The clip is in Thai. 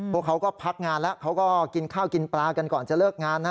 พวกเขาก็พักงานแล้วเขาก็กินข้าวกินปลากันก่อนจะเลิกงานนะ